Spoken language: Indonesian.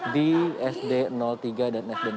di sd tiga dan sd enam puluh empat